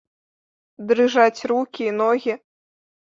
Дрыжаць рукі і ногі.